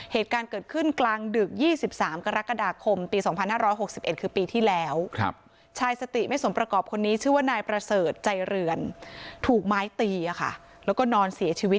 เหตุการณ์เกิดขึ้นกลางดึก๒๓กรกฎาคมปี๒๕๖๑คือปีที่แล้ว